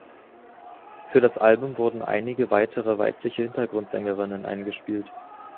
Für das Album wurden einige weitere weibliche Hintergrundsängerinnen eingespielt.